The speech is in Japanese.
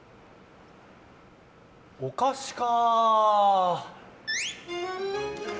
お菓子か。